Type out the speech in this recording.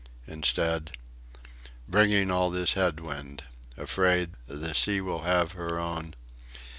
Instead bringing all this head wind. Afraid. The sea will have her own.